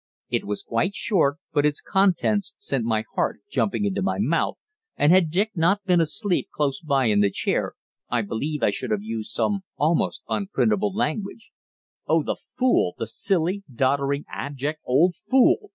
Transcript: It was quite short, but its contents sent my heart jumping into my mouth, and had Dick not been asleep close by in the chair I believe I should have used some almost unprintable language. "Oh, the fool the silly, doddering, abject old fool!"